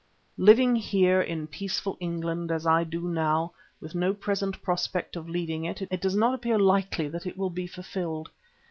Living here in peaceful England as I do now, with no present prospect of leaving it, it does not appear likely that it will be fulfilled.